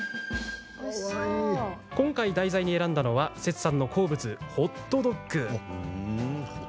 今回、題材に選んだのはセツさんの好物のホットドッグ。